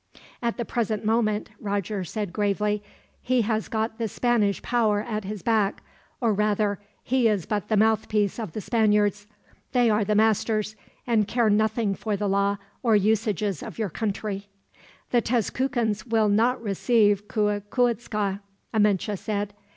"At the present moment," Roger said gravely; "he has got the Spanish power at his back; or rather, he is but the mouthpiece of the Spaniards. They are the masters, and care nothing for the law or usages of your country." "The Tezcucans will not receive Cuicuitzca," Amenche said.